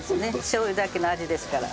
しょう油だけの味ですから。